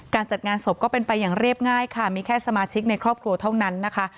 จัดงานศพก็เป็นไปอย่างเรียบง่ายค่ะมีแค่สมาชิกในครอบครัวเท่านั้นนะคะ